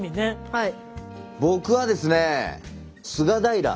はい。